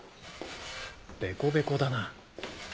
ベコベコだな。